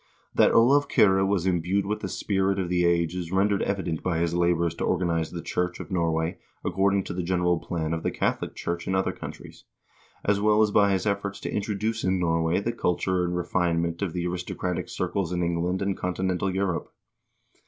That Olav Kyrre was imbued with the spirit of the age is rendered evident by his labors to organize the Church of Norway according to the general plan of the Catholic Church in other countries, as well as by his efforts to introduce in Norway the culture and refine ment of the aristocratic circles in England and continental Europe.